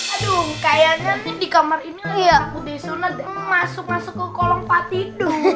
aduh kayaknya nih dikamar ini aku disunat masuk masuk ke kolong pak tidur